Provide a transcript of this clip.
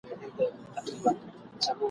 له پسه چي پیدا کیږي تل پسه وي ..